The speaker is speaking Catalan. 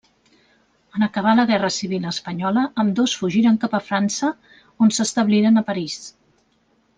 En acabar la guerra civil espanyola ambdós fugiren cap a França, on s'establiren a París.